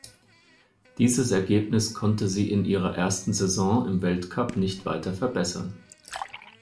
Dieses Ergebnis konnte sie in ihrer ersten Saison im Weltcup nicht weiter verbessern.